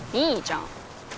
いいじゃん